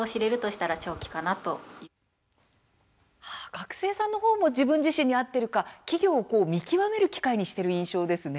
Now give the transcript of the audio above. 学生さんの方も自分自身に合っているか企業を見極める機会にしている印象ですね。